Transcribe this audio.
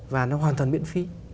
và nó hoàn toàn miễn phí